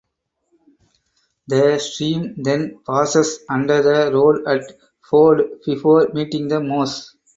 The stream then passes under the road at Ford before meeting The Moss.